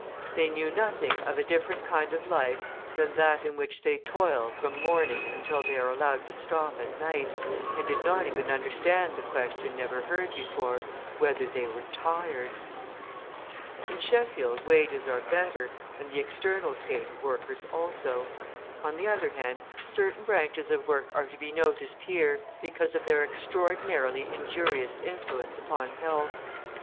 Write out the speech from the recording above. They knew nothing of a different kind of life than that in which they toil from morning until they are allowed to stop at night, and did not even understand the question never heard before, whether they were tired. In Sheffield wages are better, and the external state of the workers also. On the other hand, certain branches of work are to be noticed here, because of their extraordinarily injurious influence upon health.